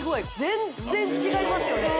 全然違いますよね